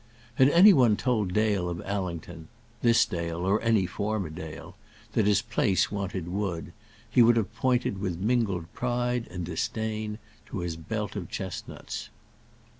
Had any one told Dale of Allington this Dale or any former Dale that his place wanted wood, he would have pointed with mingled pride and disdain to his belt of chestnuts.